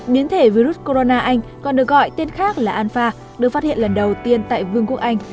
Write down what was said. biến thể virus corona anh còn được gọi tên khác là alpha được phát hiện lần đầu tiên tại vương quốc anh